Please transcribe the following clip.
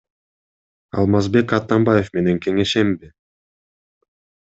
Алмазбек Атамбаев менен кеңешемби?